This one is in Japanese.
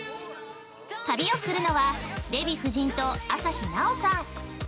旅をするのはデヴィ夫人と朝日奈央さん。